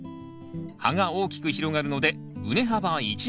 葉が大きく広がるので畝幅１ｍ。